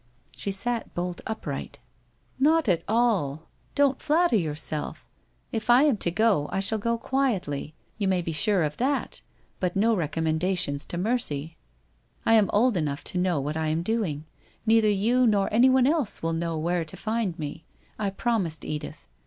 She sat bolt upright. ' Not at all ! Don't flatter yourself. If I am to go, I shall go quietly, you may be sure of that, but no recommen dations to mercy ! I am old enough to know what I am doing. Neither you, nor anyone else will know where to find me. I promised Edith.